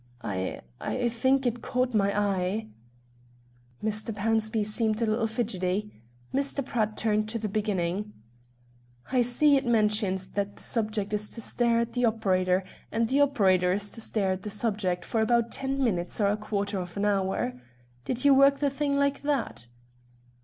"I I think it caught my eye!" Mr. Pownceby seemed a little fidgety. Mr. Pratt turned to the beginning. "I see it mentions that the subject is to stare at the operator, and the operator is to stare at the subject, for about ten minutes or a quarter of an hour. Did you work the thing like that?"